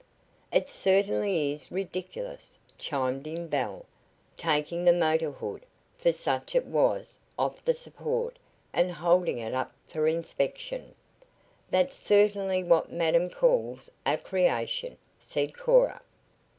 "It certainly is ridiculous!" chimed in Belle, taking the motor hood, for such it was, off the support and holding it up for inspection. "That's certainly what madam calls a 'creation,'" said Cora.